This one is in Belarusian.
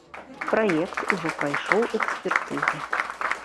Праект ужо прайшоў экспертызу.